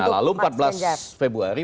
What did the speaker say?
lalu empat belas februari